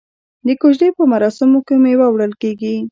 د کوژدې په مراسمو کې میوه وړل کیږي.